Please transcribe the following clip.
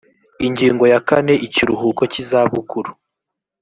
ingingo ya kane ikiruhuko cy’izabukuru